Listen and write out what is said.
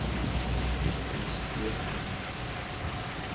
Le siège est mis.